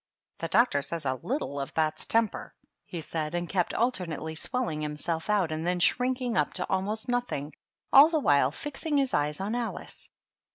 "The doctor says a little of that's temper," he said, and kept alternately swelling himself out and then shrinking up to almost nothing, all the while fixing his eyes on Alice.